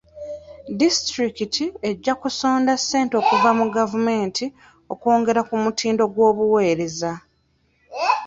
Disitulikiti ejja kusonda ssente okuva mu gavumenti okwongera ku mutindo gw'obuweereza.